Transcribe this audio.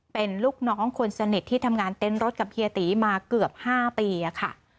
เป็นลูกน้องคนสนิทที่ทำงานเต้นรถกับเฮียตีมาเกือบ๕ปีค่ะ